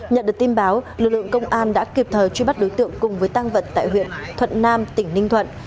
nhận được tin báo lực lượng công an đã kịp thời truy bắt đối tượng cùng với tăng vật tại huyện thuận nam tỉnh ninh thuận